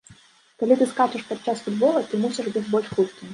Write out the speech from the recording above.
Калі ты скачаш падчас футбола, ты мусіш быць больш хуткім.